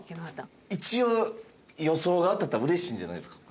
一応予想が合ってたら嬉しいんじゃないですか？